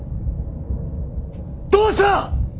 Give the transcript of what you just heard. どうした！